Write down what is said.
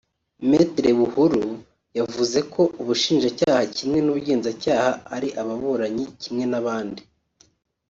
Me Buhuru yavuze ko Ubushinjacyaha kimwe n’ubugenzacyaha ari ababuranyi kimwe n’abandi